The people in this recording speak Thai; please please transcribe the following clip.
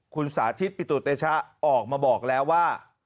คุณสาธิตปิตุเตชะออกมาบอกแล้วว่า